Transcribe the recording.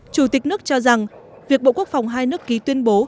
chủ tịch nước cho rằng việc bộ quốc phòng hai nước ký tuyên bố